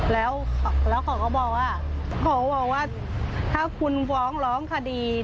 แล้วเขาก็บอกว่าถ้าคุณฟ้องร้องคดี